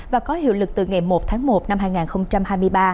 và có hiệu lực từ ngày một tháng một năm hai nghìn hai mươi ba